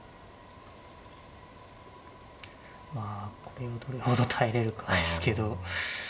まあこれをどれほど耐えれるかですけど。